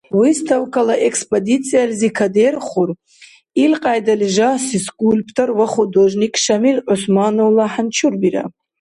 Выставкала экспозициялизи кадерхур илкьяйдали жагьси скульптор ва художник Шамил ГӀусмановла хӀянчурбира.